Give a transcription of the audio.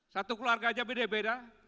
satu keluarga aja beda beda